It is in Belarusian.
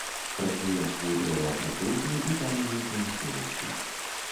Прадпрыемствы дрэваапрацоўчай і паліўнай прамысловасці.